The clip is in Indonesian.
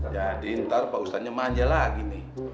jadi ntar pak ustadznya maja lagi nih